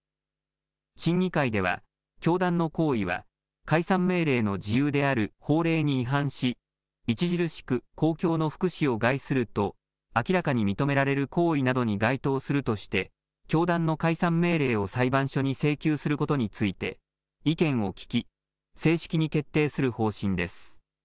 審議会では、教団の行為は解散命令の事由である法令に違反し、著しく公共の福祉を害すると明らかに認められる行為などに該当するとして、教団の解散命令を裁判所に請求することについて、意見を聞き、正式に決定する方針です。